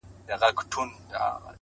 نه .نه محبوبي زما.